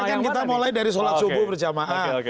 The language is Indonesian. karena kan kita mulai dari sholat subuh berjamaah